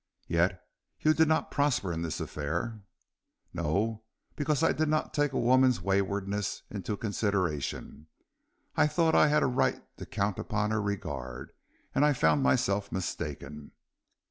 "Yet you did not prosper in this affair." "No, because I did not take a woman's waywardness into consideration. I thought I had a right to count upon her regard, and I found myself mistaken."